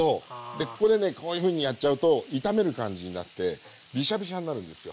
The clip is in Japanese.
でここでねこういうふうにやっちゃうと炒める感じになってビシャビシャになるんですよ。